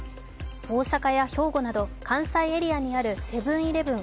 大阪や兵庫など関西エリアにあるセブン−イレブン